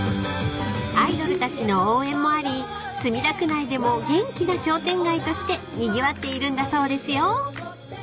［アイドルたちの応援もあり墨田区内でも元気な商店街としてにぎわっているんだそうですよ］